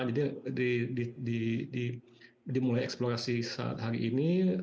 jadi dimulai eksplorasi saat hari ini